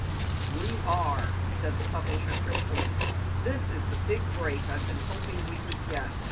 "We are," said the publisher crisply. "This is the big break I've been hoping we would get!